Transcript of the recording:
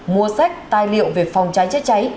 mua sách tài liệu về phòng cháy chữa cháy